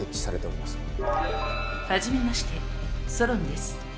初めましてソロンです。